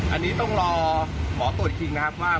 อันนี้ต้องรอหมอตรวจคิงนะครับ